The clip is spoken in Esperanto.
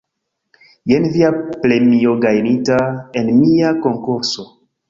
Jen via premio gajnita en mia konkurso